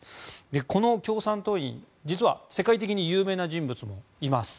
この共産党員、実は世界的に有名な人物がいます。